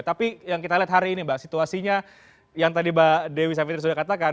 tapi yang kita lihat hari ini mbak situasinya yang tadi mbak dewi savitri sudah katakan